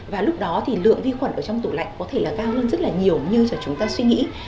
và lúc đó thì lượng vi khuẩn ở trong tủ lạnh có thể là cao hơn rất là nhiều như là chúng ta suy nghĩ